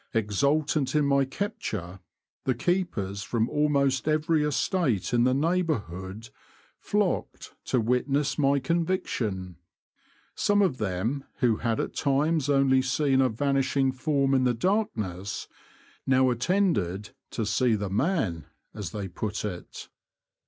Exultant in my cap ture, the keepers from almost every estate in the neighbourhood flocked to witness my con viction. Some of them who had at times only seen a vanishing form in the darkness, now attended to see the man, as they put it.